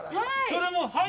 それも。